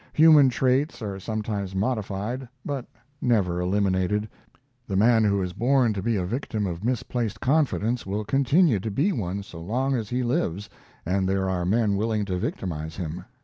Human traits are sometimes modified, but never eliminated. The man who is born to be a victim of misplaced confidence will continue to be one so long as he lives and there are men willing to victimize him.